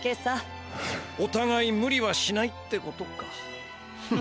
おたがいむりはしないってことか。